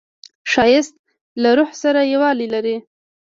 ښایست له روح سره یووالی لري